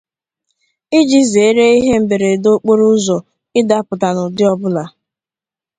iji zèéré ihe mberede okporoụzọ ịdapụta n'ụdị ọbụla